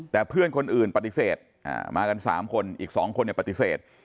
แต่เพื่อนคนอื่นปฏิเสธมากัน๓คนอีก๒คนปฏิเสธ